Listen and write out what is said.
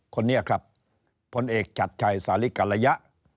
คนนี้ครับพลเอกชัดชัยสาลิกรยะ